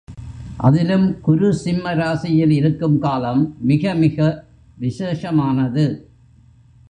அதிலும் குரு சிம்ம ராசியில் இருக்கும் காலம் மிக மிக விசேஷமானது.